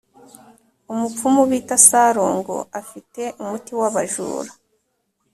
Umupfumu bita salongo afite umuti wabajura